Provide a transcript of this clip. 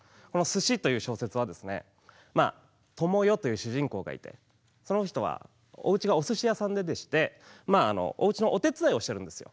「鮨」という小説はですねともよという主人公がいてその人はおうちがおすし屋さんでしておうちのお手伝いをしてるんですよ。